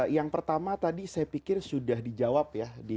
yang pertama tadi saya pikir sudah dijawab ya